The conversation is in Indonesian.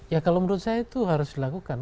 ya kalau menurut saya itu harus dilakukan